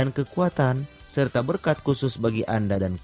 ya aku tahu yesus lindung